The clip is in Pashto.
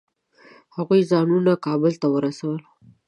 هغوی ځانونه کابل ته ورسول.